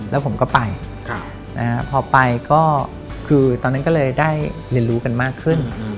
แล้วผมก็ไปพอไปก็คือตอนนั้นก็เลยได้เรียนรู้กันมากขึ้น